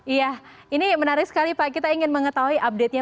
iya ini menarik sekali pak kita ingin mengetahui update nya